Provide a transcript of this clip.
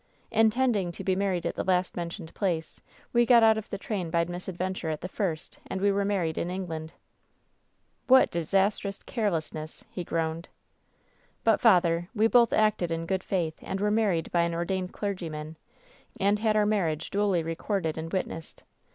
^Intending to be married at the last mentioned place, we got out of the train by misadventure at the first, and we were married in England.' " ^What disastrous carelessness !' he groaned. ^But, father, we both acted in good faith, and weie married by an ordained clergyman, and had our mar riage duly recorded and witnessed.